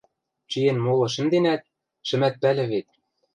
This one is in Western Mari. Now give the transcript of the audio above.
Чиэн моло шӹнденӓт, шӹмӓт пӓлӹ вет.